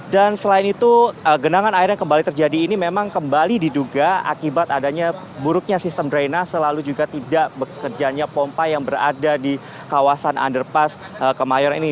dan selain itu genangan air yang kembali terjadi ini memang kembali diduga akibat adanya buruknya sistem drainah selalu juga tidak bekerjanya pompa yang berada di kawasan underpass kemayoran ini